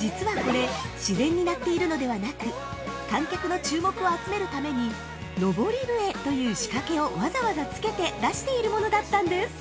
実はこれ自然に鳴っているのではなく観客の注目を集めるために昇り笛という仕掛けをわざわざつけて出しているものだったんです。